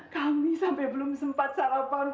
kami sampai belum sempat sarapan